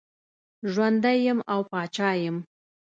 ژوندی یم او پاچا یم.